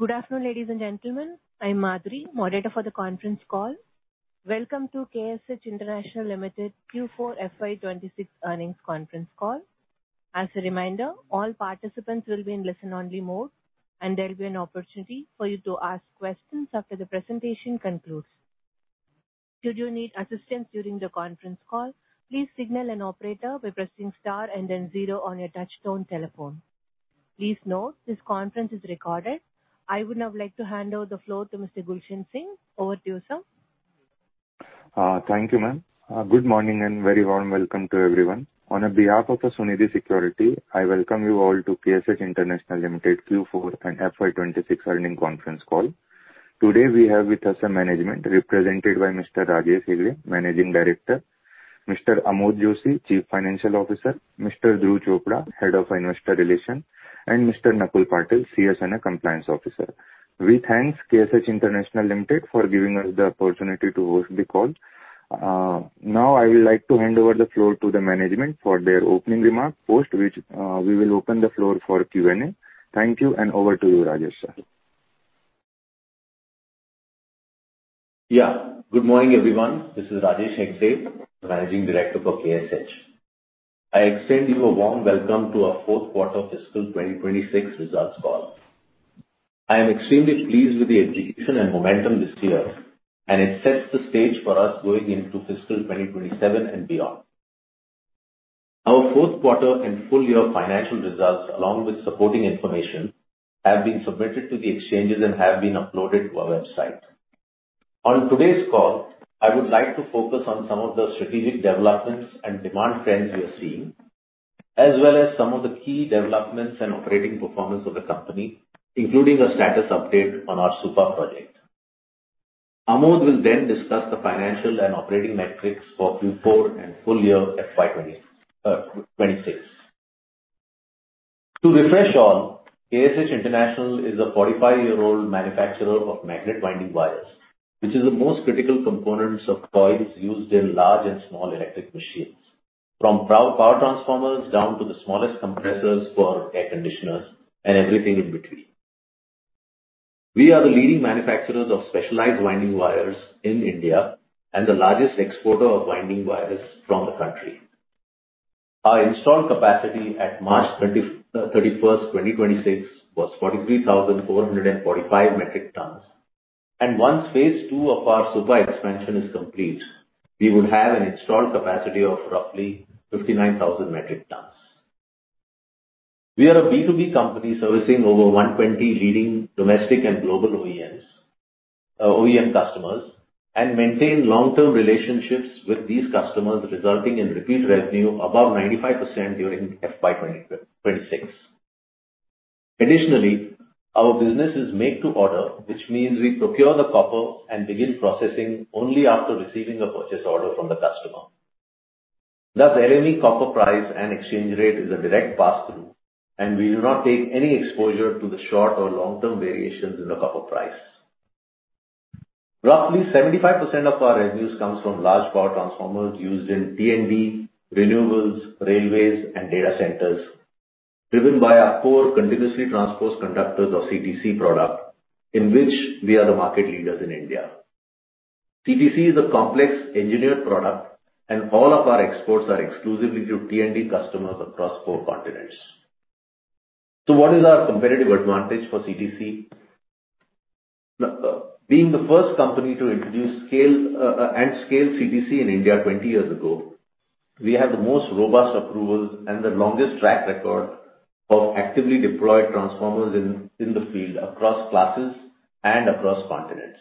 Good afternoon, ladies and gentlemen. I am Madhuri, moderator for the conference call. Welcome to KSH International Limited Q4 FY 2026 Earnings Conference Call. As a reminder, all participants will be in listen-only mode, and there will be an opportunity for you to ask questions after the presentation concludes. Should you need assistance during the conference call, please signal an operator by pressing star and then zero on your touchtone telephone. Please note, this conference is recorded. I would now like to hand over the floor to Mr. Gulshan Singh. Over to you, sir. Thank you, ma'am. Good morning and a very warm welcome to everyone. On behalf of Sunidhi Securities, I welcome you all to KSH International Limited Q4 and FY 2026 Earnings Conference Call. Today we have with us management represented by Mr. Rajesh Hegde, Managing Director; Mr. Amod Joshi, Chief Financial Officer; Mr. Dhruv Chopra, Head of Investor Relations; and Mr. Nakul Patil, CS & Compliance Officer. We thank KSH International Limited for giving us the opportunity to host the call. I would like to hand over the floor to the management for their opening remarks, after which we will open the floor for Q&A. Thank you, and over to you, Rajesh. Good morning, everyone. This is Rajesh Hegde, Managing Director for KSH. I extend you a warm welcome to our fourth quarter fiscal 2026 results call. I am extremely pleased with the execution and momentum this year, and it sets the stage for us going into fiscal 2027 and beyond. Our fourth quarter and full year financial results, along with supporting information, have been submitted to the exchanges and have been uploaded to our website. On today's call, I would like to focus on some of the strategic developments and demand trends we are seeing, as well as some of the key developments and operating performance of the company, including a status update on our Supa Project. Amod will discuss the financial and operating metrics for Q4 and full year FY 2026. To refresh all, KSH International is a 45-year-old manufacturer of magnet winding wires, which is the most critical components of coils used in large and small electric machines, from power transformers down to the smallest compressors for air conditioners and everything in between. We are the leading manufacturers of specialized winding wires in India and the largest exporter of winding wires from the country. Our installed capacity at March 31st, 2026, was 43,445 metric tons, and once phase 2 of our Supa expansion is complete, we would have an installed capacity of roughly 59,000 metric tons. We are a B2B company servicing over 120 leading domestic and global OEM customers and maintain long-term relationships with these customers, resulting in repeat revenue above 95% during FY 2026. Additionally, our business is made to order, which means we procure the copper and begin processing only after receiving a purchase order from the customer. Any copper price and exchange rate is a direct pass-through. We do not take any exposure to the short or long-term variations in the copper price. Roughly 75% of our revenues comes from large power transformers used in T&D, renewables, railways, and data centers, driven by our core Continuously Transposed Conductors or CTC product, in which we are the market leaders in India. CTC is a complex engineered product. All of our exports are exclusively to T&D customers across four continents. What is our competitive advantage for CTC? Being the first company to introduce and scale CTC in India 20 years ago, we have the most robust approvals and the longest track record of actively deployed transformers in the field, across classes and across continents.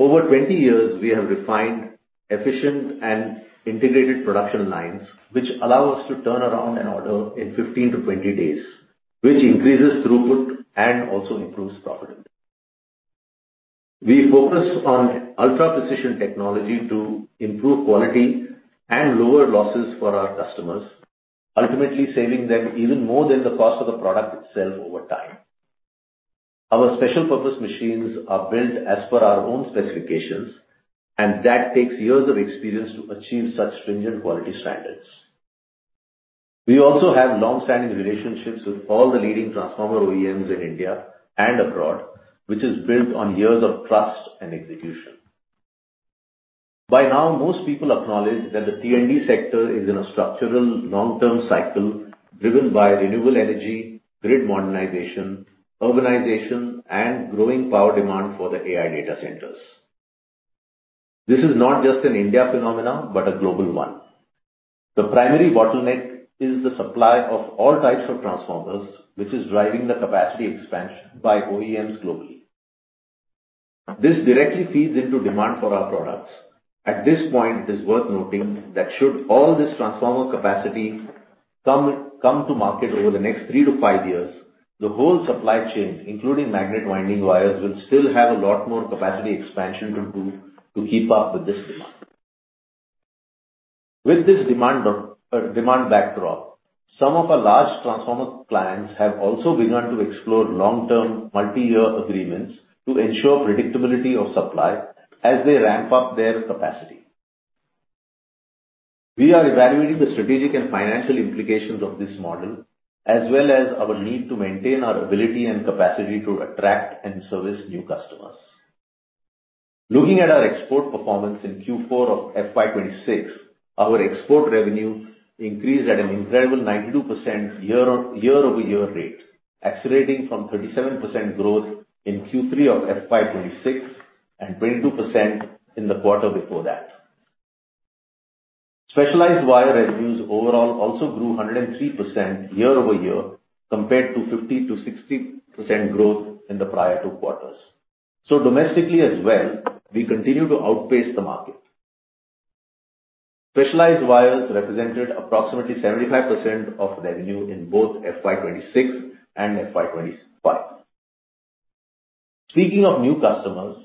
Over 20 years, we have refined efficient and integrated production lines, which allow us to turn around an order in 15 to 20 days, which increases throughput and also improves profitability. We focus on ultra-precision technology to improve quality and lower losses for our customers, ultimately saving them even more than the cost of the product itself over time. Our special purpose machines are built as per our own specifications. That takes years of experience to achieve such stringent quality standards. We also have long-standing relationships with all the leading transformer OEMs in India and abroad, which is built on years of trust and execution. By now, most people acknowledge that the T&D sector is in a structural long-term cycle driven by renewable energy, grid modernization, urbanization, and growing power demand for the AI data centers. This is not just an India phenomenon, but a global one. The primary bottleneck is the supply of all types of transformers, which is driving the capacity expansion by OEMs globally. This directly feeds into demand for our products. At this point, it is worth noting that should all this transformer capacity come to market over the next three to five years, the whole supply chain, including magnet winding wires, will still have a lot more capacity expansion to do to keep up with this demand. With this demand backdrop, some of our large transformer clients have also begun to explore long-term, multi-year agreements to ensure predictability of supply as they ramp up their capacity. We are evaluating the strategic and financial implications of this model, as well as our need to maintain our ability and capacity to attract and service new customers. Looking at our export performance in Q4 of FY 2026, our export revenue increased at an incredible 92% year-over-year rate, accelerating from 37% growth in Q3 of FY 2026 and 22% in the quarter before that. Specialized wire revenues overall also grew 103% year-over-year compared to 50%-60% growth in the prior two quarters. Domestically as well, we continue to outpace the market. Specialized wires represented approximately 75% of revenue in both FY 2026 and FY 2025. Speaking of new customers,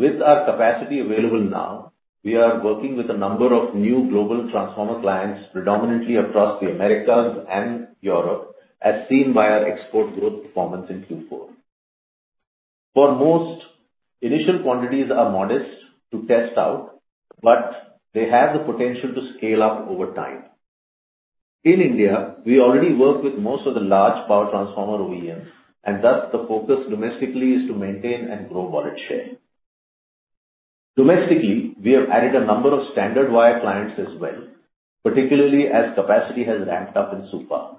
with our capacity available now, we are working with a number of new global transformer clients, predominantly across the Americas and Europe, as seen by our export growth performance in Q4. For most, initial quantities are modest to test out, but they have the potential to scale up over time. In India, we already work with most of the large power transformer OEMs, thus the focus domestically is to maintain and grow wallet share. Domestically, we have added a number of standard wire clients as well, particularly as capacity has ramped up in Supa.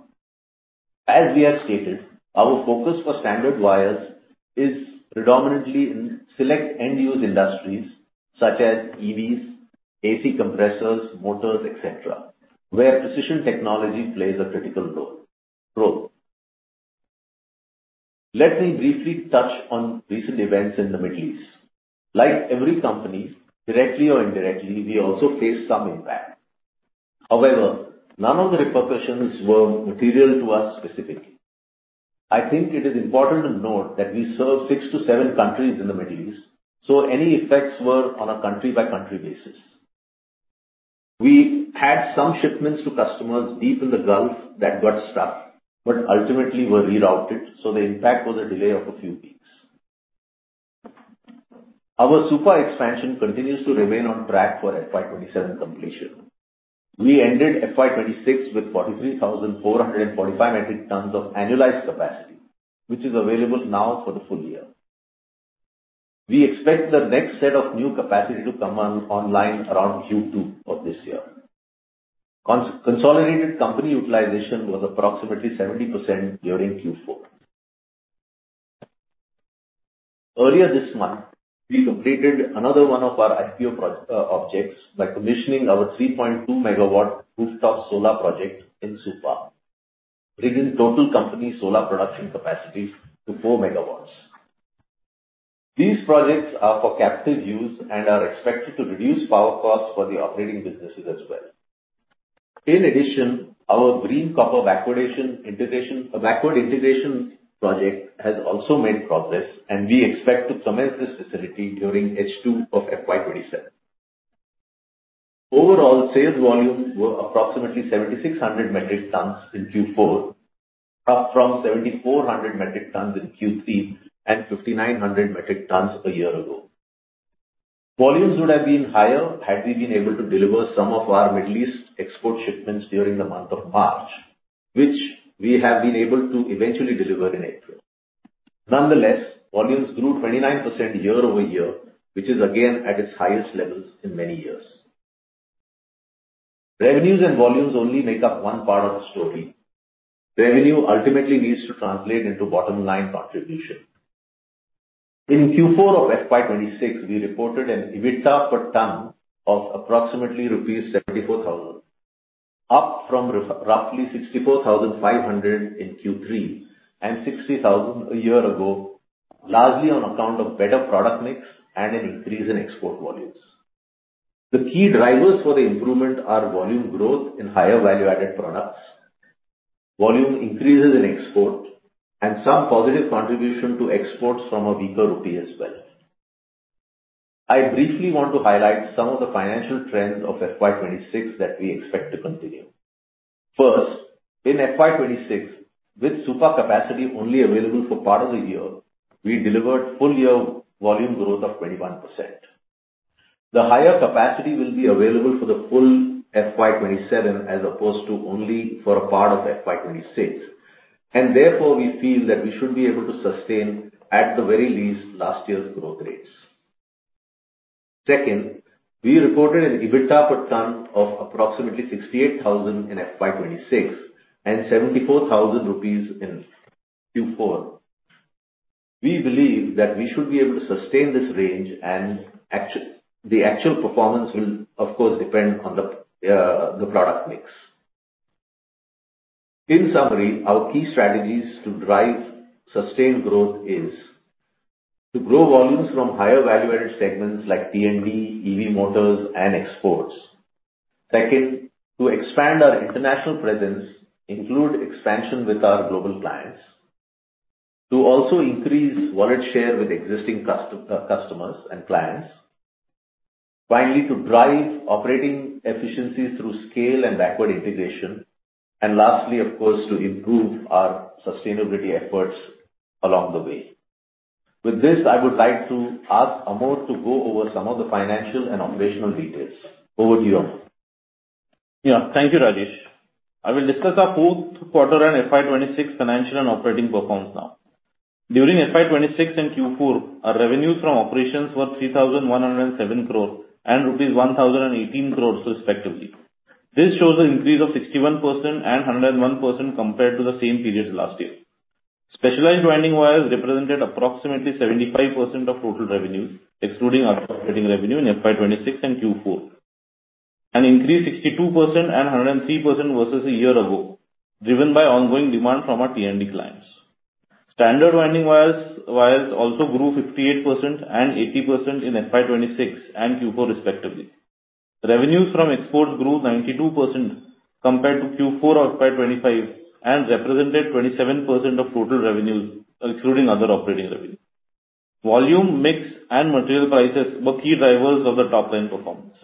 As we have stated, our focus for standard wires is predominantly in select end-use industries such as EVs, AC compressors, motors, et cetera, where precision technology plays a critical role. Let me briefly touch on recent events in the Middle East. Like every company, directly or indirectly, we also face some impact. None of the repercussions were material to us specifically. I think it is important to note that we serve six to seven countries in the Middle East, any effects were on a country-by-country basis. We had some shipments to customers deep in the Gulf that got stuck, ultimately were rerouted, the impact was a delay of a few weeks. Our Supa expansion continues to remain on track for FY 2027 completion. We ended FY 2026 with 43,445 metric tons of annualized capacity, which is available now for the full year. We expect the next set of new capacity to come online around Q2 of this year. Consolidated company utilization was approximately 70% during Q4. Earlier this month, we completed another one of our IPO objects by commissioning our 3.2 MW rooftop solar project in Supa, bringing total company solar production capacity to 4 MW. These projects are for captive use and are expected to reduce power costs for the operating businesses as well. In addition, our green copper backward integration project has also made progress, we expect to commence this facility during H2 of FY 2027. Overall, sales volumes were approximately 7,600 metric tons in Q4, up from 7,400 metric tons in Q3 and 5,900 metric tons a year ago. Volumes would have been higher had we been able to deliver some of our Middle East export shipments during the month of March, which we have been able to eventually deliver in April. Nonetheless, volumes grew 29% year-over-year, which is again at its highest levels in many years. Revenues and volumes only make up one part of the story. Revenue ultimately needs to translate into bottom-line contribution. In Q4 of FY 2026, we reported an EBITDA per ton of approximately rupees 74,000, up from roughly 64,500 in Q3 and 60,000 a year ago, largely on account of better product mix and an increase in export volumes. The key drivers for the improvement are volume growth in higher value-added products, volume increases in export, some positive contribution to exports from a weaker rupee as well. I briefly want to highlight some of the financial trends of FY 2026 that we expect to continue. First, in FY 2026, with Supa capacity only available for part of the year, we delivered full year volume growth of 21%. The higher capacity will be available for the full FY 2027 as opposed to only for a part of FY 2026, therefore we feel that we should be able to sustain at the very least last year's growth rates. Second, we reported an EBITDA per ton of approximately 68,000 in FY 2026 and 74,000 rupees in Q4. We believe that we should be able to sustain this range and the actual performance will of course depend on the product mix. In summary, our key strategies to drive sustained growth is to grow volumes from higher value-added segments like T&D, EV motors, and exports. Second, to expand our international presence, include expansion with our global clients. To also increase wallet share with existing customers and clients. Finally, to drive operating efficiencies through scale and backward integration. Lastly, of course, to improve our sustainability efforts along the way. With this, I would like to ask Amod to go over some of the financial and operational details. Over to you, Amod. Yeah. Thank you, Rajesh. I will discuss our fourth quarter and FY 2026 financial and operating performance now. During FY 2026 and Q4, our revenues from operations were 3,107 crore and rupees 1,018 crore, respectively. This shows an increase of 61% and 101% compared to the same period last year. Specialized winding wires represented approximately 75% of total revenues, excluding our operating revenue in FY 2026 and Q4. An increase 62% and 103% versus a year ago, driven by ongoing demand from our T&D clients. Standard winding wires also grew 58% and 80% in FY 2026 and Q4, respectively. Revenues from exports grew 92% compared to Q4 of FY 2025 and represented 27% of total revenues, excluding other operating revenues. Volume mix and material prices were key drivers of the top-line performance.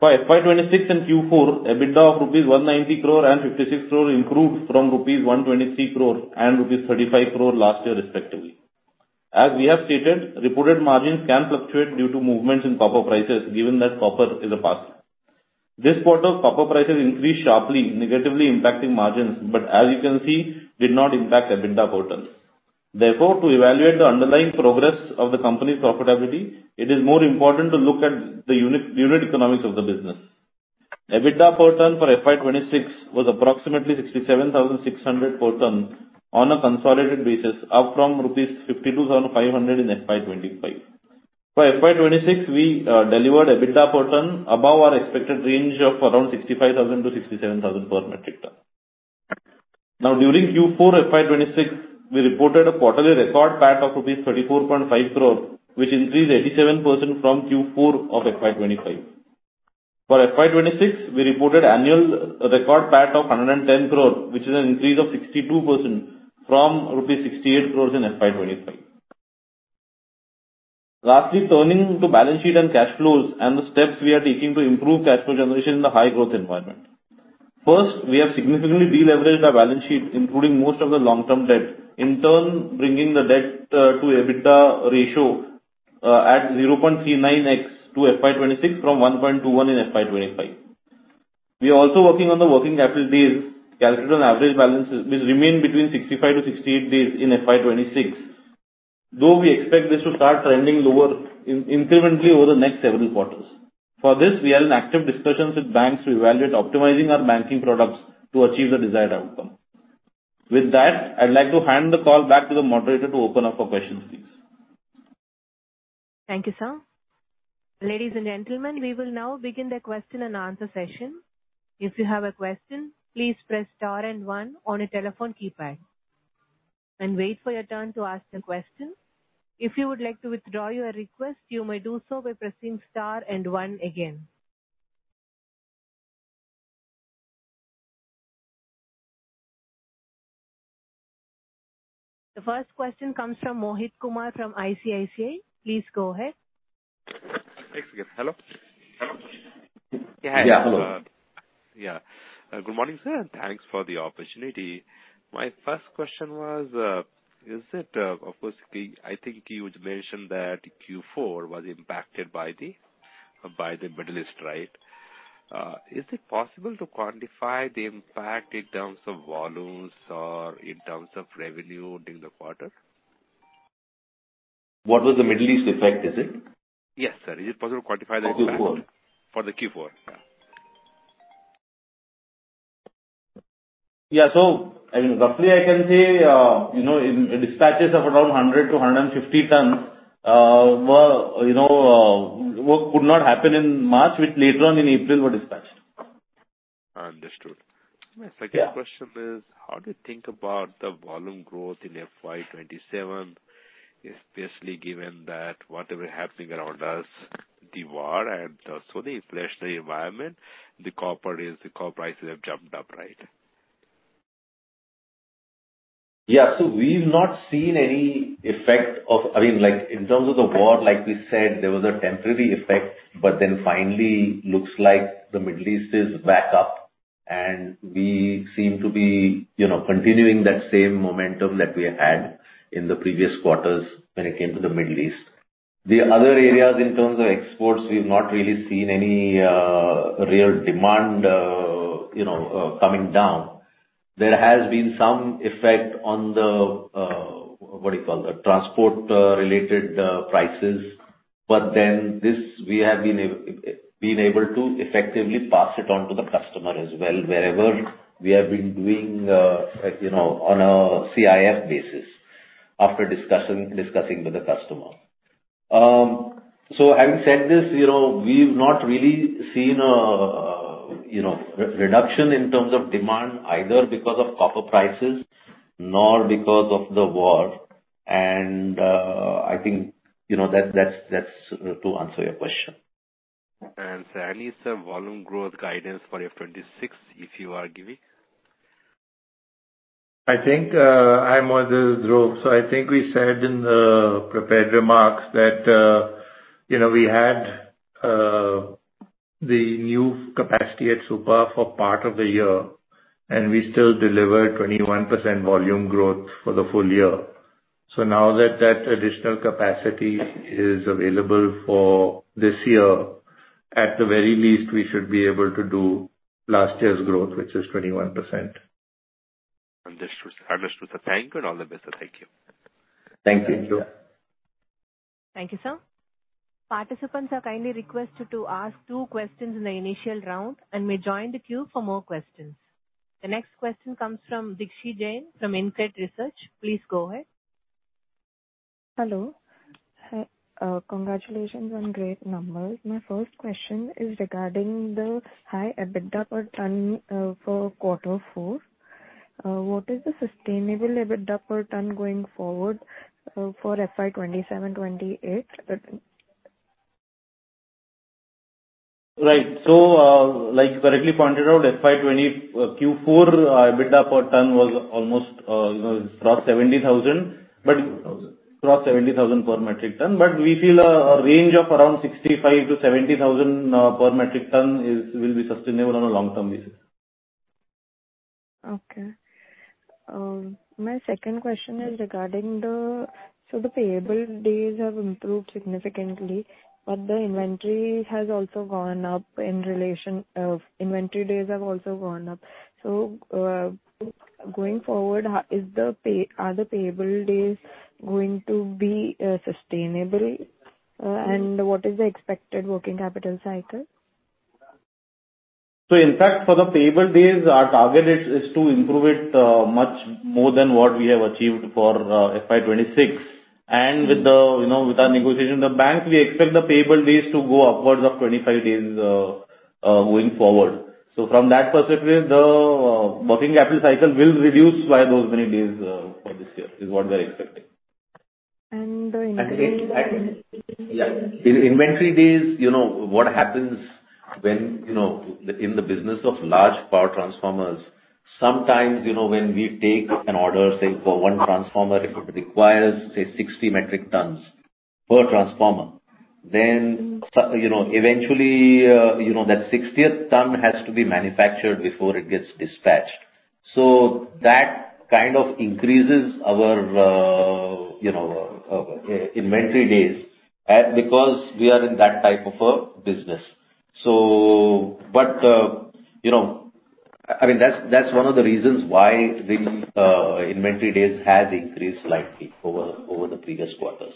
By FY 2026 and Q4, EBITDA of rupees 190 crore and 56 crore improved from rupees 123 crore and rupees 35 crore last year, respectively. As we have stated, reported margins can fluctuate due to movements in copper prices, given that copper is a part. This quarter copper prices increased sharply, negatively impacting margins, but as you can see, did not impact EBITDA per ton. Therefore, to evaluate the underlying progress of the company's profitability, it is more important to look at the unit economics of the business. EBITDA per ton for FY 2026 was approximately 67,600 per ton on a consolidated basis, up from rupees 52,500 in FY 2025. For FY 2026, we delivered EBITDA per ton above our expected range of around 65,000-67,000 per metric ton. During Q4 FY 2026, we reported a quarterly record PAT of rupees 34.5 crore, which increased 87% from Q4 of FY 2025. For FY 2026, we reported annual record PAT of 110 crore, which is an increase of 62% from rupees 68 crore in FY 2025. Lastly, turning to balance sheet and cash flows and the steps we are taking to improve cash flow generation in the high growth environment. First, we have significantly deleveraged our balance sheet, including most of the long-term debt, in turn, bringing the debt to EBITDA ratio at 0.39x to FY 2026 from 1.21 in FY 2025. We are also working on the working capital days calculated on average balances, which remain between 65-68 days in FY 2026, though we expect this to start trending lower incrementally over the next several quarters. For this, we are in active discussions with banks to evaluate optimizing our banking products to achieve the desired outcome. With that, I'd like to hand the call back to the moderator to open up for questions, please. Thank you, sir. Ladies and gentlemen, we will now begin the question and answer session. If you have a question, please press star and one on your telephone keypad and wait for your turn to ask the question. If you would like to withdraw your request, you may do so by pressing star and one again. The first question comes from Mohit Kumar from ICICI Securities. Please go ahead. Thanks again. Hello? Hello. Good morning, sir, and thanks for the opportunity. My first question was, I think you mentioned that Q4 was impacted by the Middle East, right? Is it possible to quantify the impact in terms of volumes or in terms of revenue during the quarter? What was the Middle East effect, is it? Yes, sir. Is it possible to quantify the impact? Of Q4. For the Q4, yeah. Yeah. Roughly I can say, in dispatches of around 100 to 150 tons, work could not happen in March, which later on in April were dispatched. Understood. Yeah. My second question is, how do you think about the volume growth in FY 2027, especially given that whatever happening around us, the war, and also the inflationary environment, the copper prices have jumped up right? Yeah. We've not seen any effect of In terms of the war, like we said, there was a temporary effect, finally looks like the Middle East is back up and we seem to be continuing that same momentum that we had in the previous quarters when it came to the Middle East. The other areas, in terms of exports, we've not really seen any real demand coming down. There has been some effect on the, what do you call the transport-related prices, this we have been able to effectively pass it on to the customer as well, wherever we have been doing on a CIF basis after discussing with the customer. Having said this, we've not really seen a reduction in terms of demand either because of copper prices nor because of the war. I think that's to answer your question. Sir, any volume growth guidance for FY 2026 if you are giving? I think I'm on this, Dhruv, so I think we said in the prepared remarks that we had the new capacity at Supa for part of the year, and we still delivered 21% volume growth for the full year. Now that that additional capacity is available for this year, at the very least, we should be able to do last year's growth, which is 21%. Understood, sir. Thank you. All the best, sir. Thank you. Thank you. Thank you, sir. Participants are kindly requested to ask two questions in the initial round and may join the queue for more questions. The next question comes from Dikshi Jain from InCred Research. Please go ahead. Hello. Congratulations on great numbers. My first question is regarding the high EBITDA per ton for quarter four. What is the sustainable EBITDA per ton going forward for FY 2027, 2028? Right. like you correctly pointed out, FY 2020 Q4 EBITDA per ton was almost across 70,000. 70,000. Across 70,000 per metric ton. we feel a range of around 65,000 per metric ton-INR 70,000 per metric ton will be sustainable on a long-term basis. Okay. My second question is regarding the payable days have improved significantly, but the inventory days have also gone up. going forward, are the payable days going to be sustainable? what is the expected working capital cycle? In fact, for the payable days, our target is to improve it much more than what we have achieved for FY 2026. With our negotiation with the bank, we expect the payable days to go upwards of 25 days going forward. From that perspective, the working capital cycle will reduce by those many days for this year, is what we're expecting. The inventory days? Inventory days, what happens in the business of large power transformers, sometimes when we take an order, say, for one transformer, it could require, say, 60 metric tons per transformer. Eventually, that 60th ton has to be manufactured before it gets dispatched. That kind of increases our inventory days because we are in that type of a business. That's one of the reasons why the inventory days has increased slightly over the previous quarters.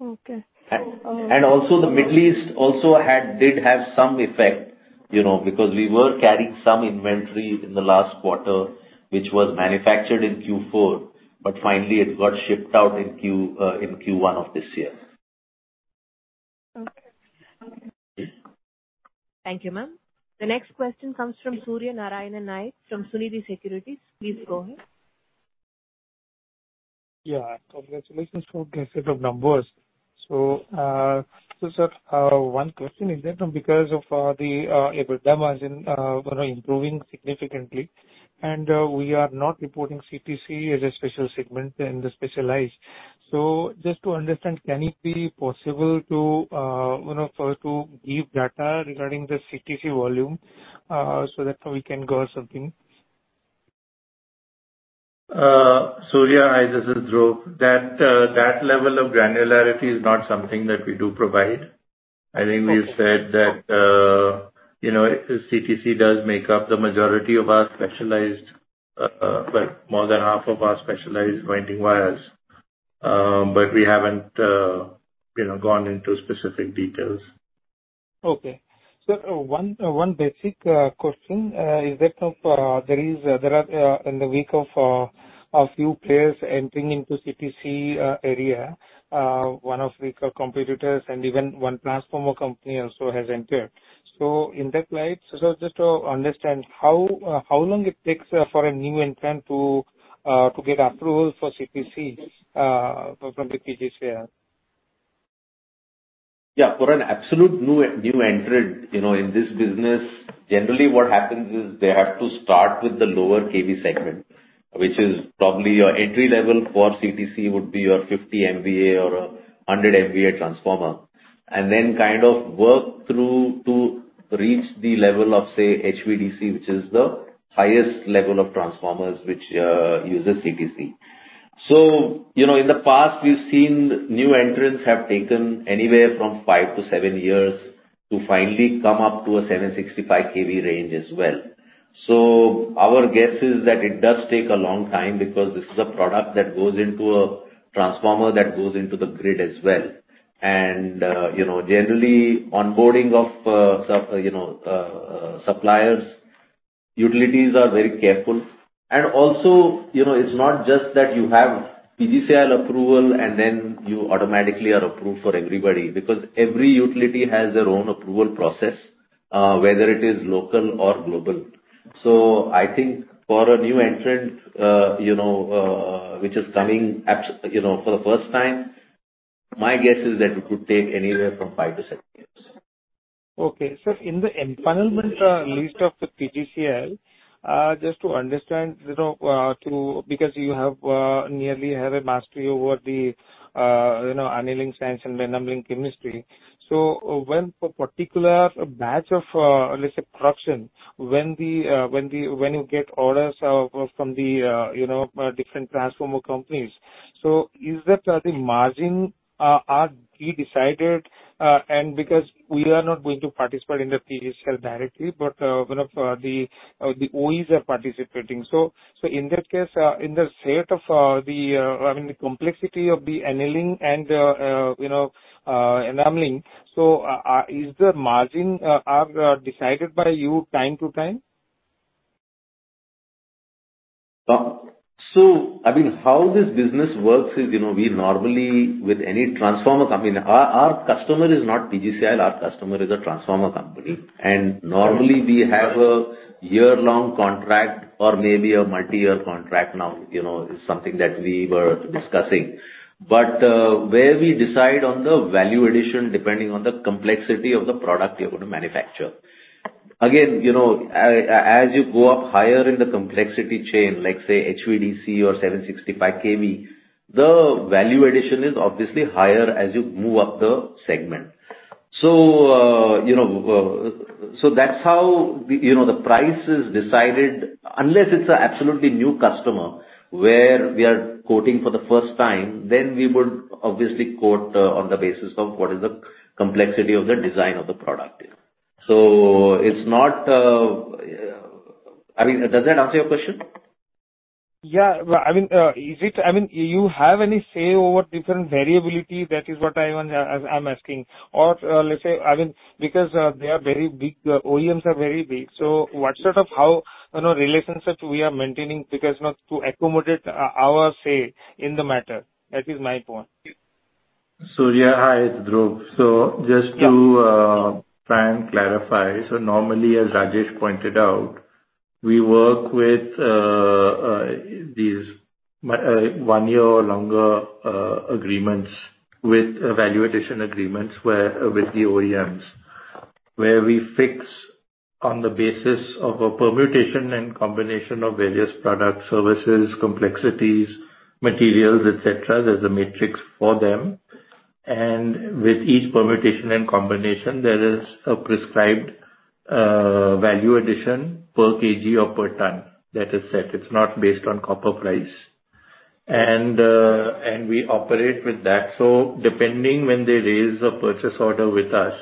Okay. Also the Middle East also did have some effect, because we were carrying some inventory in the last quarter, which was manufactured in Q4, but finally it got shipped out in Q1 of this year. Okay. Thank you, ma'am. The next question comes from Surya Narayan Nayak from Sunidhi Securities. Please go ahead. Yeah. Congratulations for the set of numbers. Sir, one question is that because of the EBITDA margin improving significantly, and we are not reporting CTC as a special segment in the specialized. Just to understand, can it be possible for us to give data regarding the CTC volume, so that we can gauge something? Surya, hi, this is Dhruv. That level of granularity is not something that we do provide. I think we've said that CTC does make up the majority of our specialized, well, more than half of our specialized winding wires, but we haven't gone into specific details. Okay. Sir, one basic question. In the wake of a few players entering into CTC area, one of weaker competitors and even one transformer company also has entered. In that light, just to understand how long it takes for a new entrant to get approval for CTC from the PGCIL? Yeah. For an absolute new entrant in this business, generally what happens is they have to start with the lower kV segment, which is probably your entry level for CTC would be your 50 MVA or 100 MVA transformer. Then kind of work through to reach the level of, say, HVDC, which is the highest level of transformers which uses CTC. In the past, we've seen new entrants have taken anywhere from five to seven years to finally come up to a 765 kV range as well. Our guess is that it does take a long time because this is a product that goes into a transformer that goes into the grid as well. Generally onboarding of suppliers, utilities are very careful. Also, it's not just that you have PGCIL approval and then you automatically are approved for everybody, because every utility has their own approval process, whether it is local or global. I think for a new entrant which is coming up for the first time, my guess is that it could take anywhere from five to seven years. Okay. Sir, in the empanelment list of the PGCIL, just to understand, because you nearly have a mastery over the annealing science and enameling chemistry. When a particular batch of, let's say, production, when you get orders from the different transformer companies, is that the margin are pre-decided? Because we are not going to participate in the PGCIL directly, but one of the OEMs are participating. In that case, in the complexity of the annealing and the enameling, is the margin are decided by you time to time? How this business works is we normally with any transformer company, our customer is not PGCIL, our customer is a transformer company. Normally we have a year-long contract or maybe a multi-year contract now, is something that we were discussing. Where we decide on the value addition, depending on the complexity of the product we are going to manufacture. Again, as you go up higher in the complexity chain, like say HVDC or 765 kV, the value addition is obviously higher as you move up the segment. That's how the price is decided, unless it's an absolutely new customer where we are quoting for the first time, then we would obviously quote on the basis of what is the complexity of the design of the product is. Does that answer your question? Yeah. You have any say over different variability, that is what I'm asking. Let's say, because they are very big, OEMs are very big. How relationship we are maintaining because to accommodate our say in the matter, that is my point. Surya, hi, it's Dhruv. Just to try and clarify. Normally, as Rajesh pointed out, we work with these one year or longer agreements with value addition agreements with the OEMs, where we fix on the basis of a permutation and combination of various product services, complexities, materials, et cetera. There's a matrix for them. With each permutation and combination, there is a prescribed value addition per kg or per ton that is set. It's not based on copper price. We operate with that. Depending when they raise a purchase order with us,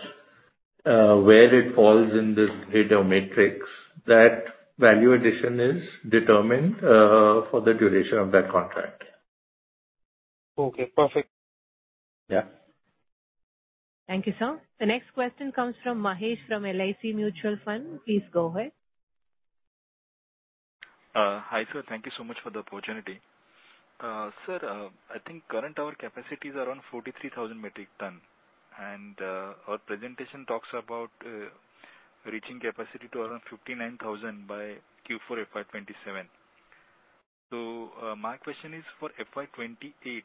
where it falls in this grid or matrix, that value addition is determined for the duration of that contract. Okay, perfect. Yeah. Thank you, sir. The next question comes from Mahesh from LIC Mutual Fund. Please go ahead. Hi, sir. Thank you so much for the opportunity. Sir, I think our current capacity is around 43,000 metric tons, and our presentation talks about reaching capacity to around 59,000 by Q4 FY 2027. My question is for FY 2028,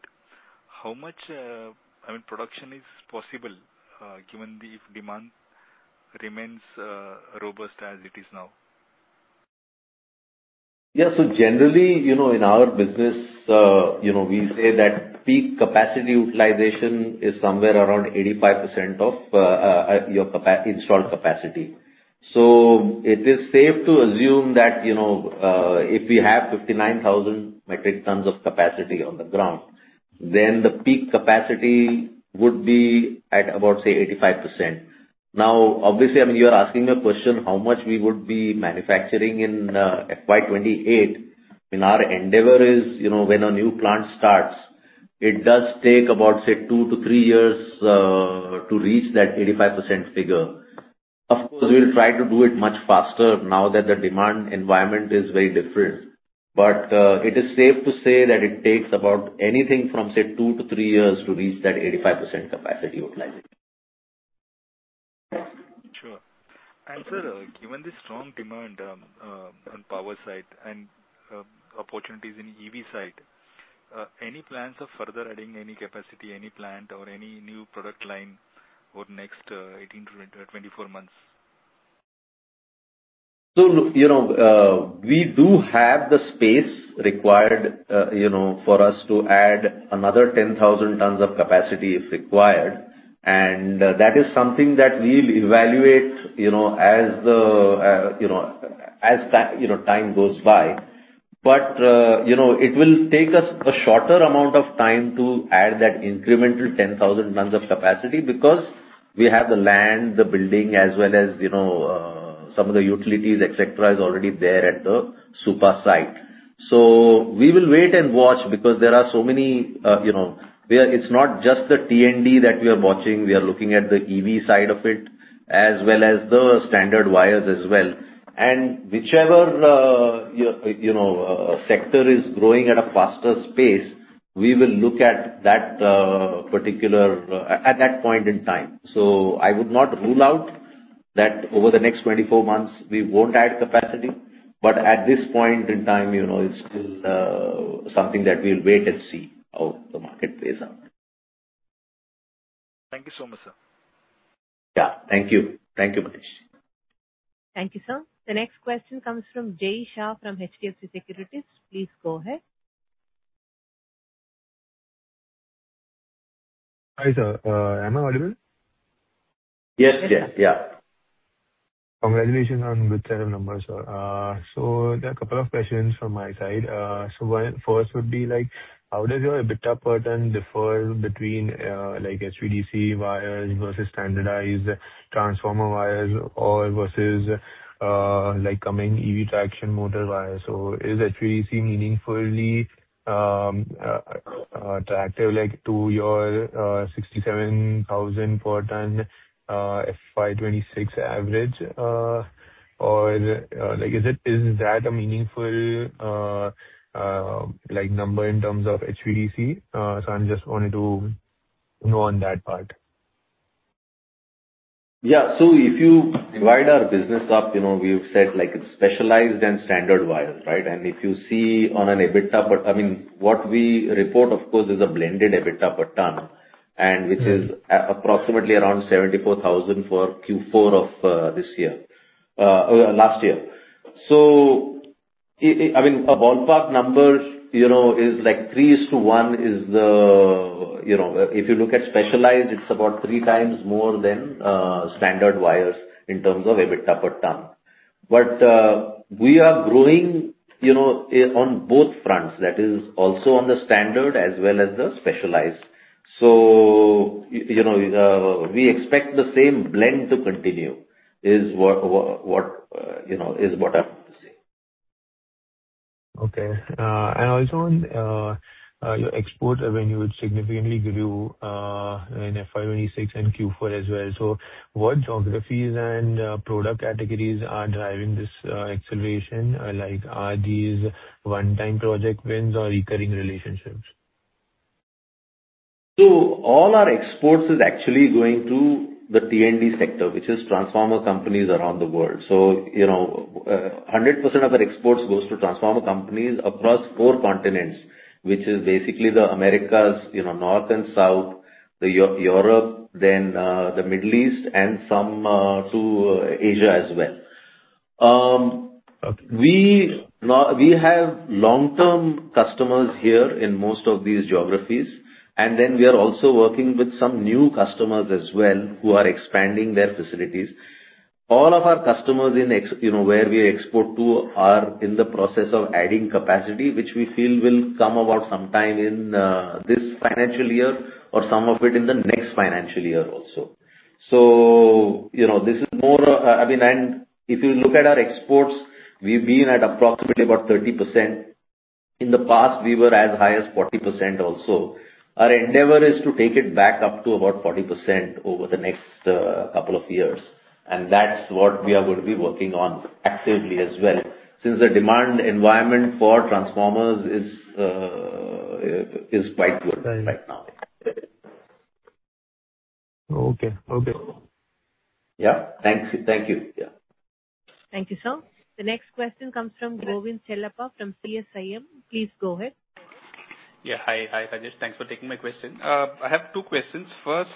how much production is possible given if demand remains robust as it is now? Yeah. Generally, in our business, we say that peak capacity utilization is somewhere around 85% of your installed capacity. It is safe to assume that if we have 59,000 metric tons of capacity on the ground, then the peak capacity would be at about, say, 85%. Obviously, you are asking a question, how much we would be manufacturing in FY 2028, and our endeavor is, when a new plant starts, it does take about, say, two to three years to reach that 85% figure. Of course, we will try to do it much faster now that the demand environment is very different. It is safe to say that it takes about anything from, say, two to three years to reach that 85% capacity utilization. Sure. Sir, given the strong demand on power side and opportunities in EV side, any plans of further adding any capacity, any plant or any new product line over the next 18 to 24 months? We do have the space required for us to add another 10,000 tons of capacity if required. That is something that we will evaluate as time goes by. It will take us a shorter amount of time to add that incremental 10,000 tons of capacity because we have the land, the building, as well as some of the utilities, et cetera, is already there at the Supa site. We will wait and watch because there are so many. It is not just the T&D that we are watching. We are looking at the EV side of it as well as the standard wires as well. Whichever sector is growing at a faster pace, we will look at that particular at that point in time. I would not rule out that over the next 24 months, we won't add capacity. At this point in time, it's still something that we'll wait and see how the market plays out. Thank you so much, sir. Thank you, Mahesh. Thank you, sir. The next question comes from Jay Shah from HDFC Securities. Please go ahead. Hi, sir. Am I audible? Yes. Congratulations on good set of numbers, sir. There are a couple of questions from my side. First would be, how does your EBITDA per ton differ between HVDC wires versus standardized transformer wires or versus coming EV traction motor wires? Is HVDC meaningfully attractive to your 67,000 per ton FY 2026 average? Is that a meaningful number in terms of HVDC? I just wanted to know on that part. Yeah. If you divide our business up, we've said it's specialized and standard wires, right? If you see on an EBITDA, but what we report, of course, is a blended EBITDA per ton, which is approximately around 74,000 for Q4 of last year. A ballpark number is like 3 is to 1. If you look at specialized, it's about 3 times more than standard wires in terms of EBITDA per ton. We are growing on both fronts, that is also on the standard as well as the specialized. We expect the same blend to continue, is what I'm going to say. Okay. Also on your export revenue, which significantly grew in FY 2026 and Q4 as well. What geographies and product categories are driving this acceleration? Are these one-time project wins or recurring relationships? All our exports is actually going to the T&D sector, which is transformer companies around the world. 100% of our exports goes to transformer companies across four continents, which is basically the Americas, North and South, Europe, the Middle East, and some to Asia as well. Okay. We have long-term customers here in most of these geographies, and then we are also working with some new customers as well who are expanding their facilities. All of our customers where we export to are in the process of adding capacity, which we feel will come about sometime in this financial year or some of it in the next financial year also. If you look at our exports, we've been at approximately about 30%. In the past, we were as high as 40% also. Our endeavor is to take it back up to about 40% over the next couple of years, and that's what we are going to be working on actively as well, since the demand environment for transformers is quite good right now. Okay. Yeah. Thank you. Thank you, sir. The next question comes from Govind Chellappa from CSIM. Please go ahead. Hi, Rajesh. Thanks for taking my question. I have two questions. First,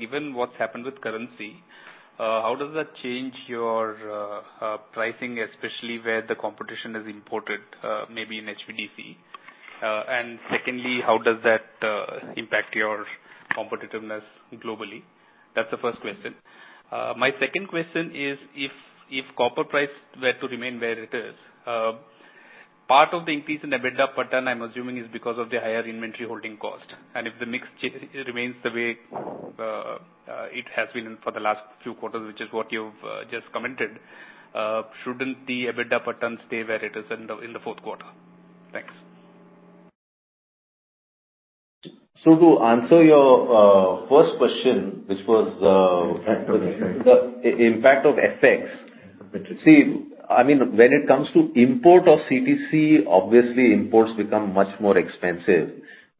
given what's happened with currency, how does that change your pricing, especially where the competition is imported, maybe in HVDC? Secondly, how does that impact your competitiveness globally? That's the first question. My second question is, if copper price were to remain where it is, part of the increase in EBITDA per ton, I'm assuming is because of the higher inventory holding cost, and if the mix remains the way it has been for the last few quarters, which is what you've just commented, shouldn't the EBITDA per ton stay where it is in the fourth quarter? Thanks. To answer your first question, which was the impact of FX. When it comes to import of CTC, obviously imports become much more expensive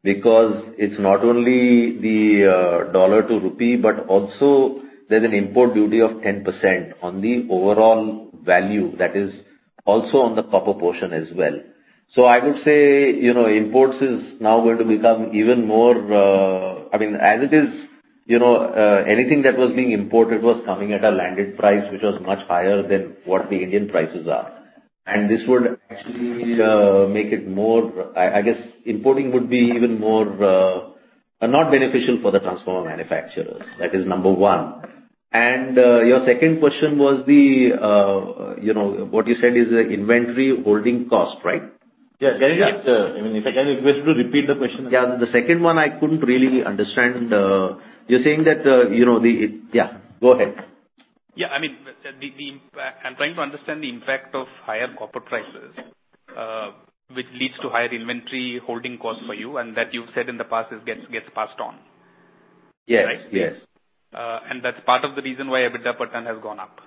because it's not only the dollar to rupee, but also there's an import duty of 10% on the overall value, that is also on the copper portion as well. I would say, imports is now going to become even more. As it is, anything that was being imported was coming at a landed price, which was much higher than what the Indian prices are. This would actually make it more, I guess importing would be even more not beneficial for the transformer manufacturers, that is number one. Your second question was the, what you said is the inventory holding cost, right? Yes. If I can request you to repeat the question. The second one, I couldn't really understand. You're saying that the go ahead. Yeah. I'm trying to understand the impact of higher copper prices which leads to higher inventory holding costs for you, and that you've said in the past gets passed on. Yes. Right? That's part of the reason why EBITDA per ton has gone up.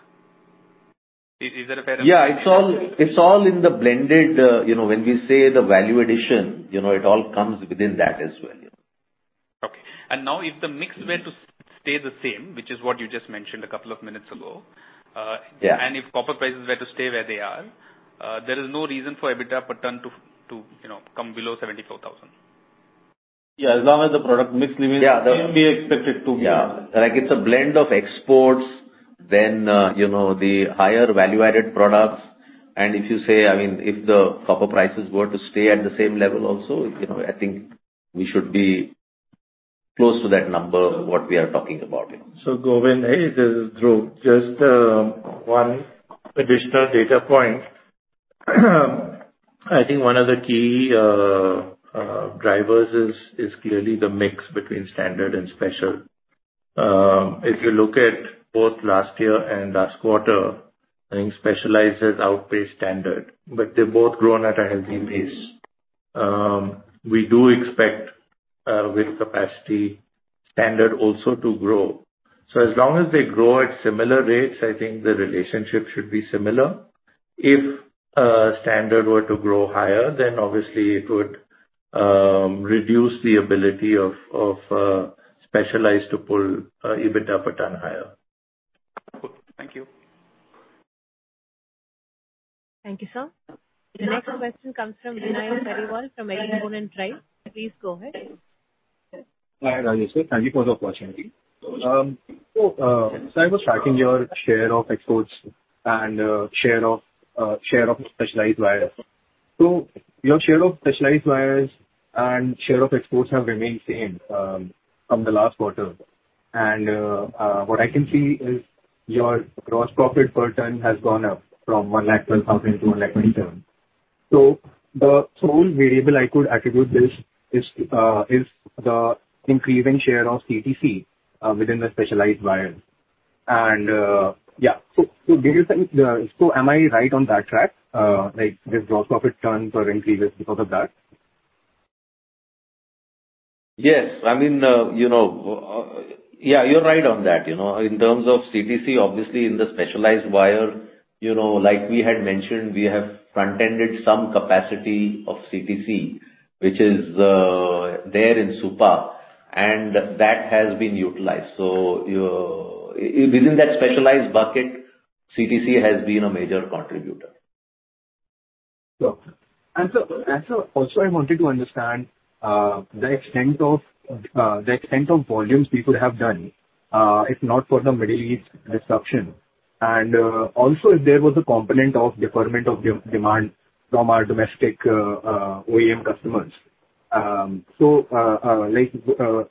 Is that a fair- Yeah. It's all in the blended. When we say the value addition, it all comes within that as well. Okay. Now if the mix were to stay the same, which is what you just mentioned a couple of minutes ago. Yeah. If copper prices were to stay where they are, there is no reason for EBITDA per ton to come below 74,000. Yeah, as long as the product mix remains- Yeah we expect it to be. Yeah. It's a blend of exports, then the higher value-added products. If the copper prices were to stay at the same level also, I think we should be close to that number, what we are talking about. Govind, hey, this is Dhruv. Just one additional data point. I think one of the key drivers is clearly the mix between standard and special. If you look at both last year and last quarter, I think specialized has outpaced standard, but they've both grown at a healthy pace. We do expect with capacity, standard also to grow. As long as they grow at similar rates, I think the relationship should be similar. If standard were to grow higher, then obviously it would reduce the ability of specialized to pull EBITDA per ton higher. Cool. Thank you. Thank you, sir. The next question comes from Vinay Mariwal from Edelman Harris. Please go ahead. Hi, Rajesh sir. Thank you for the opportunity. I was tracking your share of exports and share of specialized wire. Your share of specialized wires and share of exports have remained same from the last quarter. What I can see is your gross profit per ton has gone up from 112,000 to 127,000. The sole variable I could attribute this is the increasing share of CTC within the specialized wires. Am I right on that track? Like this gross profit ton per increase is because of that. Yes. You're right on that. In terms of CTC, obviously in the specialized wire, like we had mentioned, we have frontended some capacity of CTC, which is there in Supa, and that has been utilized. Within that specialized bucket, CTC has been a major contributor. Sure. Sir, also, I wanted to understand the extent of volumes we could have done if not for the Middle East disruption, and also if there was a component of deferment of demand from our domestic OEM customers.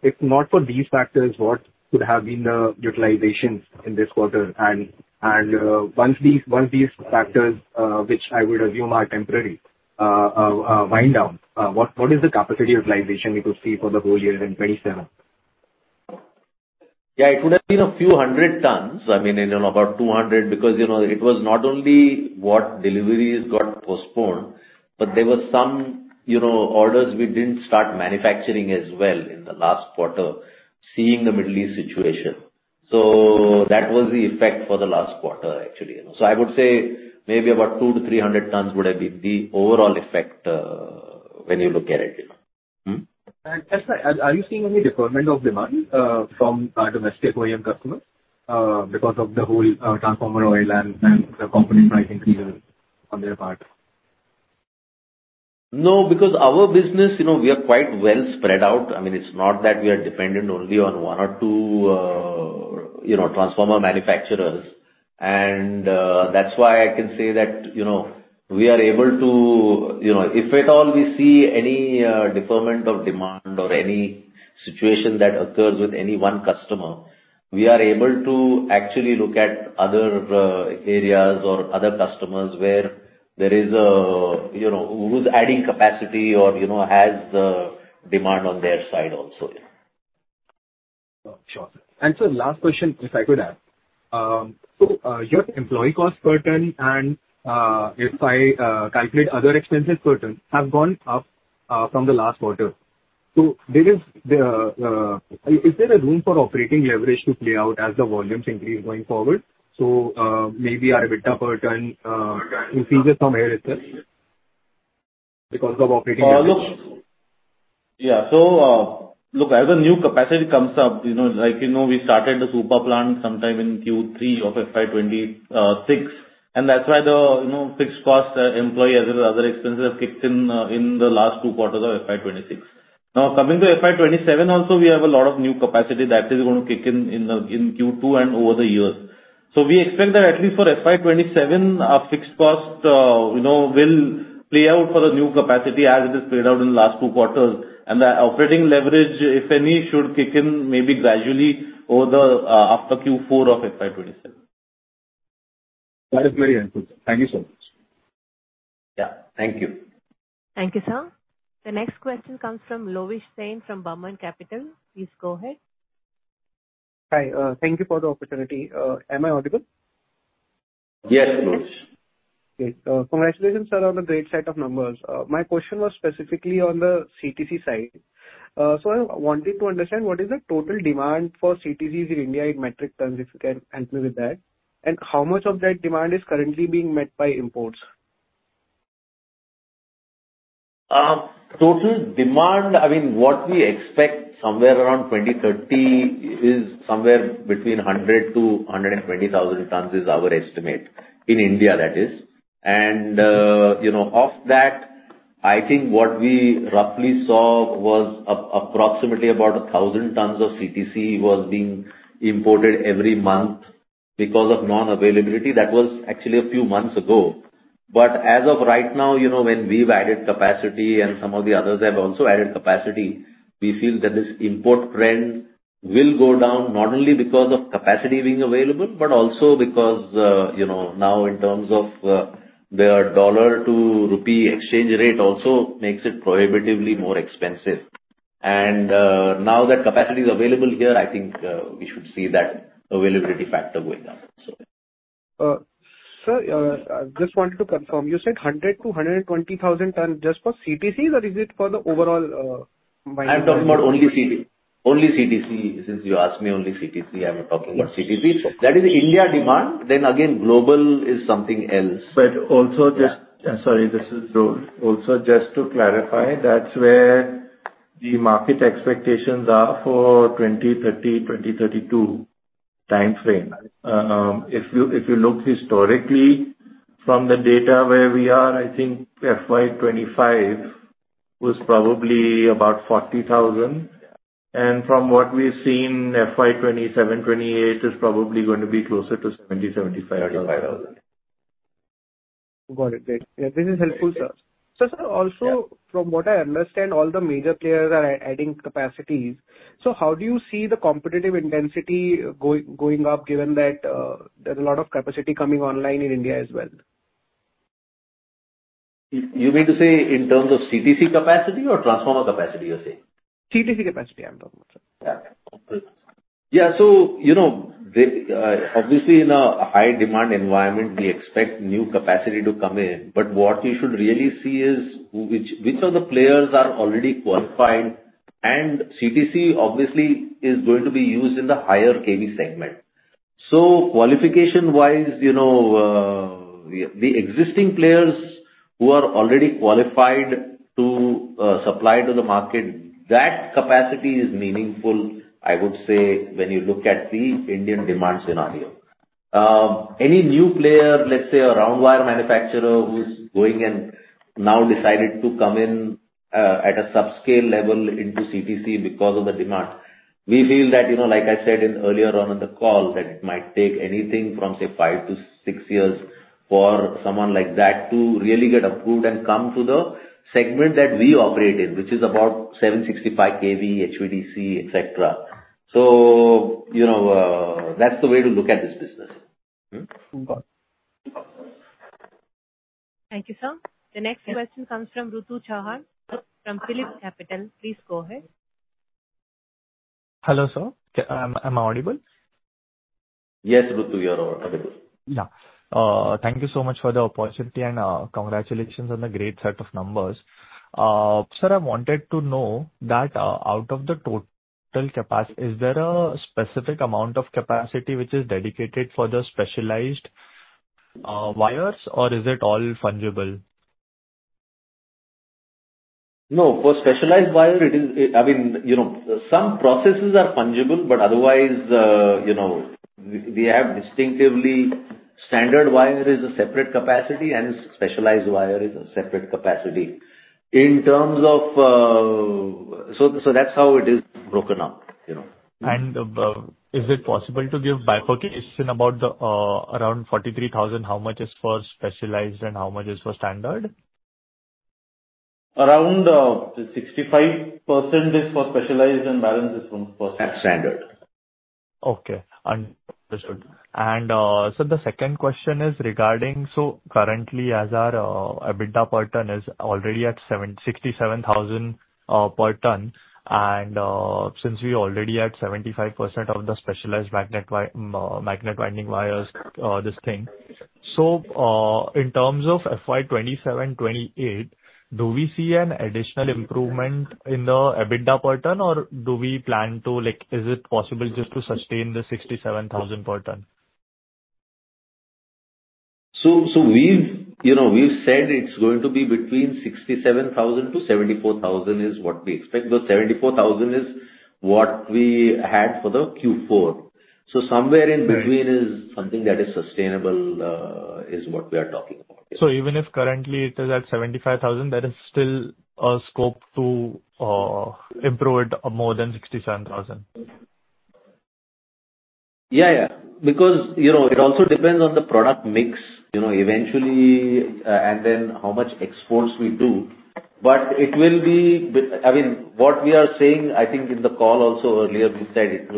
If not for these factors, what could have been the utilizations in this quarter? Once these factors, which I would assume are temporary, wind down, what is the capacity utilization we could see for the whole year in 2027? Yeah, it could have been a few hundred tons. About 200 because it was not only what deliveries got postponed, but there were some orders we didn't start manufacturing as well in the last quarter, seeing the Middle East situation. That was the effect for the last quarter, actually. I would say maybe about 200-300 tons would have been the overall effect when you look at it. Are you seeing any deferment of demand from our domestic OEM customers because of the whole transformer oil and the component pricing pressure on their part? No, because our business, we are quite well spread out. It's not that we are dependent only on one or two transformer manufacturers. That's why I can say that if at all we see any deferment of demand or any situation that occurs with any one customer, we are able to actually look at other areas or other customers who's adding capacity or has the demand on their side also, yeah. Sure. Sir, last question, if I could add. Your employee cost per ton and if I calculate other expenses per ton have gone up from the last quarter. Is there a room for operating leverage to play out as the volumes increase going forward? Maybe our EBITDA per ton will see some air itself because of operating leverage. Yeah. Look, as the new capacity comes up, like we started the Supa plant sometime in Q3 of FY 2026, that's why the fixed cost employee as well as other expenses have kicked in the last two quarters of FY 2026. Coming to FY 2027, also we have a lot of new capacity that is going to kick in Q2 and over the year. We expect that at least for FY 2027, our fixed cost will play out for the new capacity as it has played out in the last two quarters. The operating leverage, if any, should kick in maybe gradually after Q4 of FY 2027. That is very helpful, sir. Thank you so much. Yeah. Thank you. Thank you, sir. The next question comes from Lovish Sain from Baman Capital. Please go ahead. Hi. Thank you for the opportunity. Am I audible? Yes, Lovish. Congratulations, sir, on the great set of numbers. My question was specifically on the CTC side. I wanted to understand what is the total demand for CTCs in India in metric tons, if you can help me with that, and how much of that demand is currently being met by imports? Total demand, what we expect somewhere around 2030 is somewhere between 100,000 to 120,000 tons is our estimate. In India, that is. Of that, I think what we roughly saw was approximately about 1,000 tons of CTC was being imported every month because of non-availability. That was actually a few months ago. As of right now, when we've added capacity and some of the others have also added capacity, we feel that this import trend will go down, not only because of capacity being available, but also because now in terms of their dollar to rupee exchange rate also makes it prohibitively more expensive. Now that capacity is available here, I think we should see that availability factor going down. Sir, I just wanted to confirm. You said 100,000 to 120,000 tons just for CTCs or is it for the overall- I'm talking about only CTC. Since you asked me only CTC, I'm talking about CTC. That is India demand. Again, global is something else. Sorry, this is Rohil. Also just to clarify, that's where the market expectations are for 2030, 2032 timeframe. If you look historically from the data where we are, I think FY 2025 was probably about 40,000, and from what we've seen, FY 2027, 2028 is probably going to be closer to 70,000, 75,000. 75,000. Got it. Great. Yeah. This is helpful, sir. Sir, also from what I understand, all the major players are adding capacities. How do you see the competitive intensity going up given that there's a lot of capacity coming online in India as well? You mean to say in terms of CTC capacity or transformer capacity, you're saying? CTC capacity, I'm talking about, sir. Yeah. Obviously in a high demand environment, we expect new capacity to come in. What we should really see is which of the players are already qualified, and CTC obviously is going to be used in the higher kV segment. Qualification wise, the existing players who are already qualified to supply to the market, that capacity is meaningful, I would say when you look at the Indian demand scenario. Any new player, let's say a round wire manufacturer who's going and now decided to come in at a subscale level into CTC because of the demand, we feel that like I said earlier on in the call, that it might take anything from say five to six years for someone like that to really get approved and come to the segment that we operate in, which is about 765 kV, HVDC, et cetera. That's the way to look at this business. Got it. Thank you, sir. The next question comes from Rutu Chavan from PhillipCapital. Please go ahead. Hello, sir. Am I audible? Yes, Rutu, you are audible. Thank you so much for the opportunity, and congratulations on the great set of numbers. Sir, I wanted to know that out of the total capacity, is there a specific amount of capacity which is dedicated for the specialized wires or is it all fungible? No. For specialized wire, some processes are fungible, otherwise we have distinctively standard wire is a separate capacity and specialized wire is a separate capacity. That's how it is broken up. Is it possible to give by portion about around 43,000, how much is for specialized and how much is for standard? Around 65% is for specialized and balance is for standard. Standard. Okay. Understood. Sir, the second question is regarding, currently as our EBITDA per tonne is already at 67,000 per tonne, and since we're already at 75% of the specialized magnet winding wires, this thing. In terms of FY 2027, 2028, do we see an additional improvement in the EBITDA per tonne or Is it possible just to sustain the 67,000 per tonne? We've said it's going to be between 67,000 to 74,000 is what we expect, because 74,000 is what we had for the Q4. Somewhere in between is something that is sustainable, is what we are talking about. Even if currently it is at 75,000, there is still a scope to improve it more than 67,000? Yeah. It also depends on the product mix eventually, and how much exports we do. What we are saying, I think in the call also earlier we said,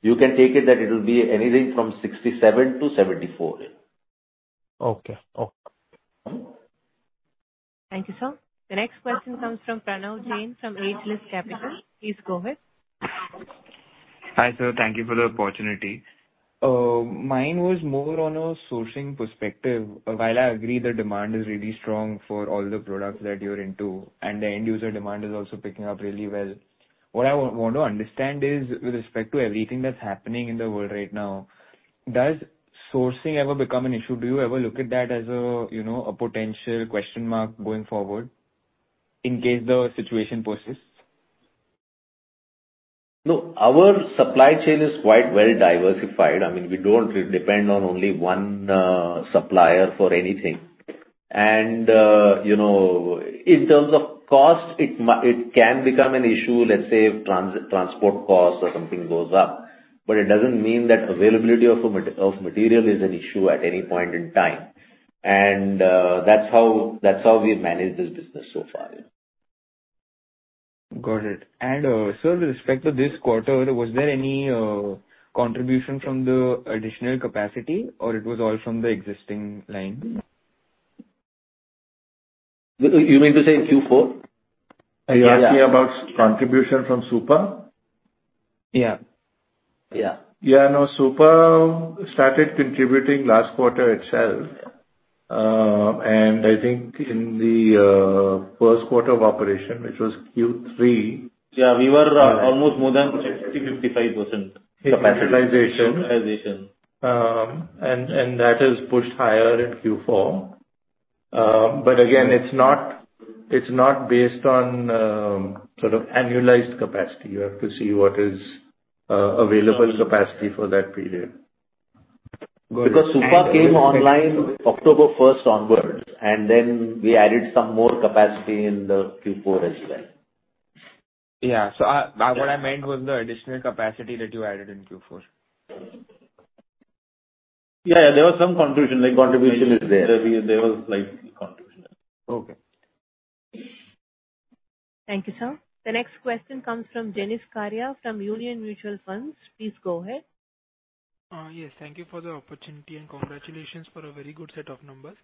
you can take it that it will be anything from 67 to 74. Okay. Thank you, sir. The next question comes from Pranav Jain from Agilis Capital. Please go ahead. Hi, sir. Thank you for the opportunity. Mine was more on a sourcing perspective. While I agree the demand is really strong for all the products that you're into, and the end user demand is also picking up really well, what I want to understand is with respect to everything that's happening in the world right now, does sourcing ever become an issue? Do you ever look at that as a potential question mark going forward in case the situation persists? No, our supply chain is quite well diversified. We don't depend on only one supplier for anything. In terms of cost, it can become an issue, let's say if transport costs or something goes up, but it doesn't mean that availability of material is an issue at any point in time. That's how we've managed this business so far. Got it. Sir, with respect to this quarter, was there any contribution from the additional capacity or it was all from the existing line? You mean to say in Q4? Are you asking about contribution from Supa? Yeah. Yeah. Yeah, no, Supa started contributing last quarter itself. I think in the first quarter of operation, which was Q3. Yeah, we were almost more than 55%. Capitilization Capitilization. That has pushed higher in Q4. Again, it's not based on annualized capacity. You have to see what is available capacity for that period. Got it. Supa came online October 1st onwards, then we added some more capacity in the Q4 as well. Yeah. What I meant was the additional capacity that you added in Q4. Yeah. There was some contribution. The contribution is there. There was contribution. Okay. Thank you, sir. The next question comes from Jenis Karya from Union Mutual Fund. Please go ahead. Yes, thank you for the opportunity and congratulations for a very good set of numbers.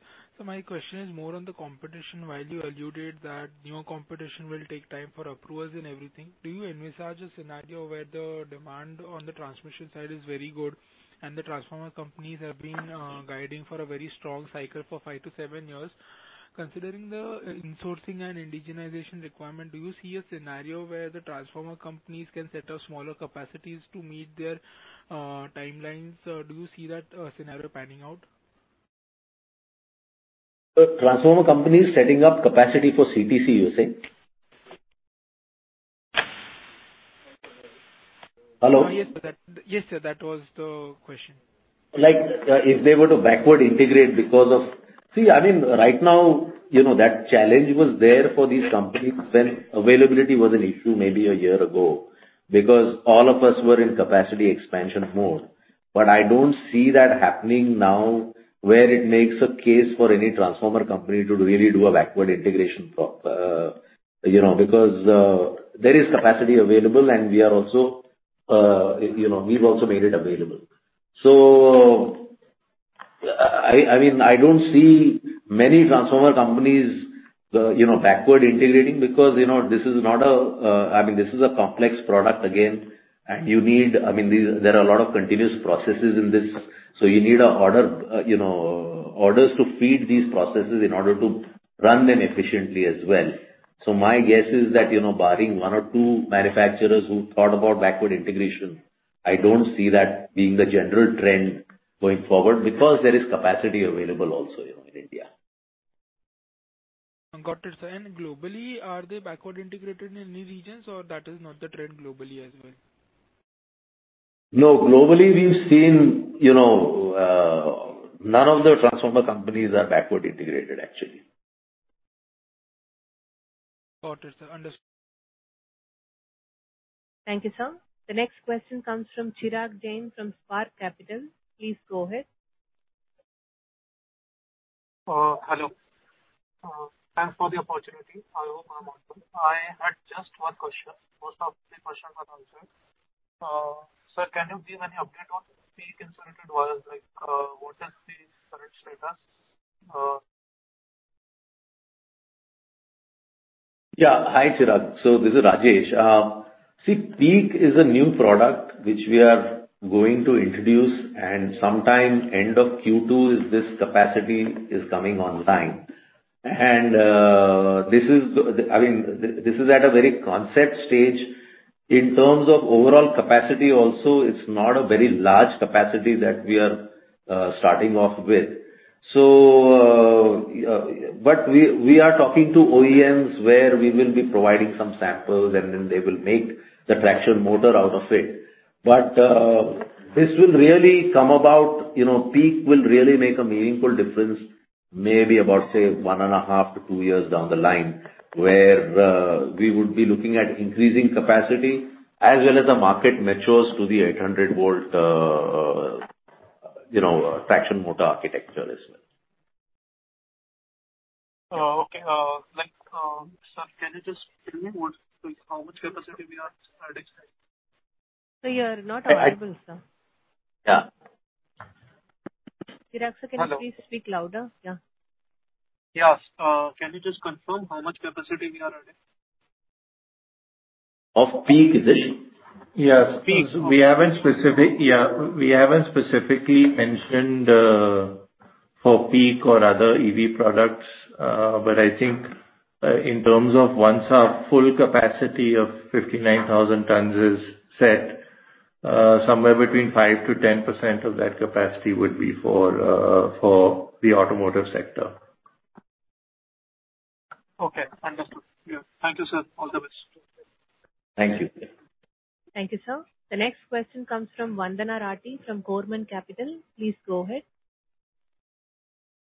My question is more on the competition. While you alluded that new competition will take time for approvals and everything, do you envisage a scenario where the demand on the transmission side is very good and the transformer companies have been guiding for a very strong cycle for 5-7 years? Considering the insourcing and indigenization requirement, do you see a scenario where the transformer companies can set up smaller capacities to meet their timelines? Do you see that scenario panning out? Transformer companies setting up capacity for CTC, you're saying? Hello? Yes, sir. That was the question. If they were to backward integrate because of right now, that challenge was there for these companies when availability was an issue maybe a year ago, because all of us were in capacity expansion mode. I don't see that happening now where it makes a case for any transformer company to really do a backward integration, because there is capacity available, and we've also made it available. I don't see many transformer companies backward integrating because this is a complex product, again, and there are a lot of continuous processes in this. You need orders to feed these processes in order to run them efficiently as well. My guess is that, barring one or two manufacturers who thought about backward integration, I don't see that being the general trend going forward because there is capacity available also in India. Got it, sir. Globally, are they backward integrated in any regions, or that is not the trend globally as well? No. Globally, we've seen none of the transformer companies are backward integrated, actually. Got it, sir. Understood. Thank you, sir. The next question comes from Chirag Jain from Spark Capital. Please go ahead. Hello. Thanks for the opportunity. I hope I'm audible. I had just one question. Most of the questions got answered. Sir, can you give any update on PEEK insulated wires? Like, what is the current status? Yeah. Hi, Chirag. This is Rajesh. See, PEEK is a new product which we are going to introduce, and sometime end of Q2 is this capacity is coming online. This is at a very concept stage. In terms of overall capacity also, it's not a very large capacity that we are starting off with. We are talking to OEMs where we will be providing some samples, and then they will make the traction motor out of it. This will really come about, PEEK will really make a meaningful difference maybe about, say, one and a half to two years down the line, where we would be looking at increasing capacity as well as the market matures to the 800 volt traction motor architecture as well. Okay. Sir, can you just tell me how much capacity we are starting with? Sir, you're not audible, sir. Yeah. Chirag sir, can you please speak louder? Yeah. Yes. Can you just confirm how much capacity we are adding? Of PEEK, is it? Yes. We haven't specifically mentioned for PEEK or other EV products, but I think in terms of once our full capacity of 59,000 tons is set, somewhere between 5%-10% of that capacity would be for the automotive sector. Okay, understood. Yeah. Thank you, sir. All the best. Thank you. Thank you, sir. The next question comes from Vandana Rathi from Gorman Capital. Please go ahead.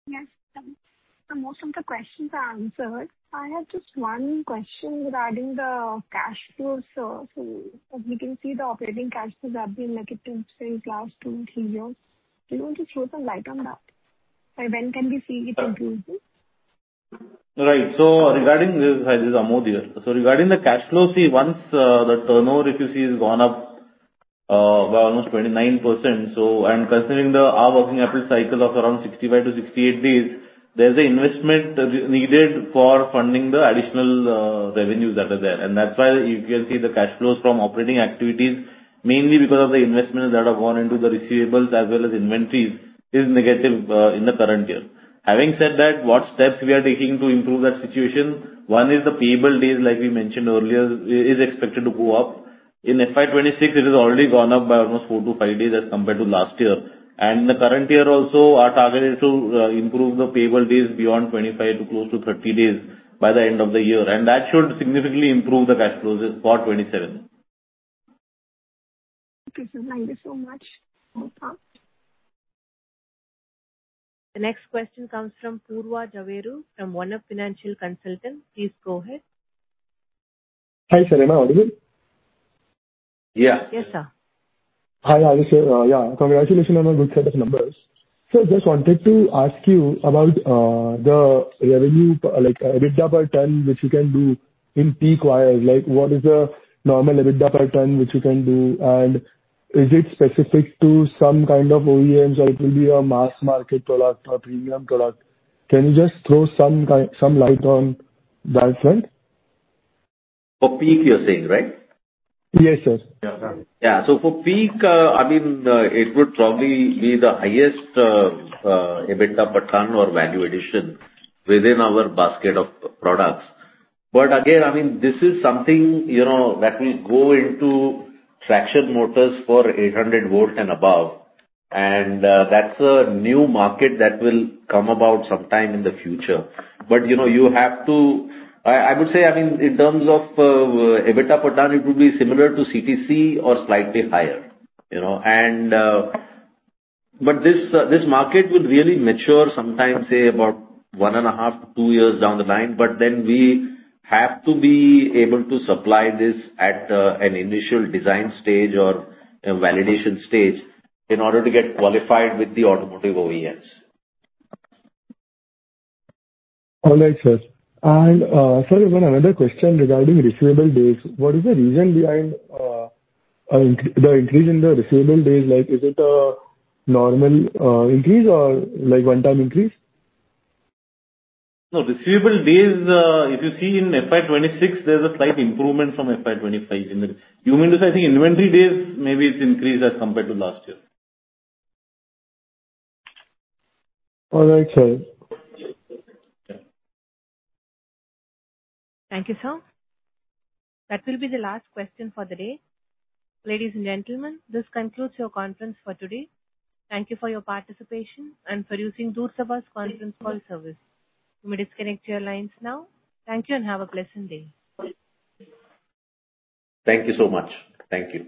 Yes. Most of the questions are answered. I have just one question regarding the cash flow, sir. We can see the operating cash flows have been negative for the last 2 or 3 years. Do you want to throw some light on that? When can we see it improve? Right. Regarding this, hi, this is Amod here. Regarding the cash flow, once the turnover, if you see, has gone up by almost 29%, and considering our working capital cycle of around 65-68 days, there's the investment needed for funding the additional revenues that are there. That's why you can see the cash flows from operating activities, mainly because of the investments that have gone into the receivables as well as inventories, is negative in the current year. Having said that, what steps we are taking to improve that situation? One is the payable days, like we mentioned earlier, is expected to go up. In FY 2026, it has already gone up by almost 4-5 days as compared to last year. In the current year also, our target is to improve the payable days beyond 25 to close to 30 days by the end of the year. That should significantly improve the cash flows for 2027. Okay, sir. Thank you so much. Over. The next question comes from Purva Jhaveri from Oneup Financial Consulting. Please go ahead. Hi, sir. Am I audible? Yeah. Yes, sir. Hi. Yeah. Congratulations on a good set of numbers. Sir, just wanted to ask you about the revenue, like EBITDA per ton, which you can do in PEEK wires. What is the normal EBITDA per ton which you can do? Is it specific to some kind of OEMs or it will be a mass market product or premium product? Can you just throw some light on that front? For PEEK, you're saying, right? Yes, sir. Yeah. For PEEK, it would probably be the highest EBITDA per ton or value addition within our basket of products. Again, this is something that will go into traction motors for 800 volt and above. That's a new market that will come about sometime in the future. I would say, in terms of EBITDA per ton, it will be similar to CTC or slightly higher. This market would really mature sometime, say about one and a half to two years down the line, then we have to be able to supply this at an initial design stage or a validation stage in order to get qualified with the automotive OEMs. Sir, even another question regarding receivable days. What is the reason behind the increase in the receivable days? Is it a normal increase or one-time increase? No, receivable days, if you see in FY 2026, there's a slight improvement from FY 2025. You mean to say, I think inventory days, maybe it's increased as compared to last year. All right, sir. Thank you, sir. That will be the last question for the day. Ladies and gentlemen, this concludes your conference for today. Thank you for your participation and for using Doertsch Abbas Conference Call Service. You may disconnect your lines now. Thank you and have a pleasant day. Thank you so much. Thank you.